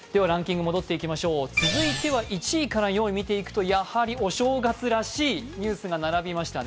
続いては１位から４位見ていくとやはりお正月らしいニュースが並びましたね。